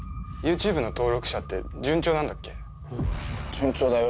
順調だよ